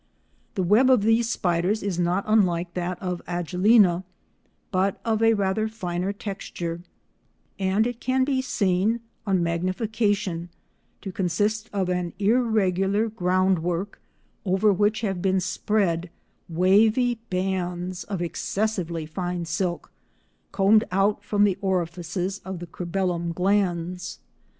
The web of these spiders is not unlike that of Agelena, but of a rather finer texture, and it can be seen, on magnification, to consist of an irregular ground work over which have been spread wavy bands of excessively fine silk, combed out from the orifices of the cribellum glands.